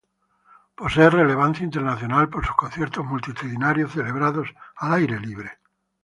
Posee relevancia internacional por sus conciertos multitudinarios celebrados al aire libre.